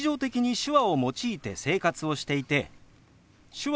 「手話」。